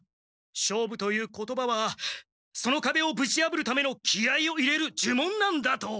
勝負という言葉はそのかべをぶちやぶるための気合いを入れるじゅもんなんだと！